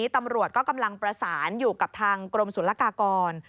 ตำรวจก็กำลังประสานอยู่กับทางกรมศุลกากร